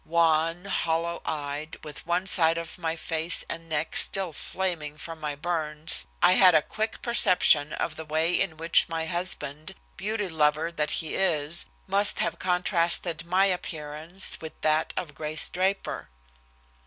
Wan, hollow eyed, with one side of my face and neck still flaming from my burns, I had a quick perception of the way in which my husband, beauty lover that he is, must have contrasted my appearance with that of Grace Draper.